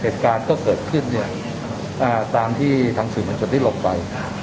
เหตุการณ์ก็เกิดขึ้นเนี่ยอ่าตามที่ทางสื่อมันจดที่หลบไป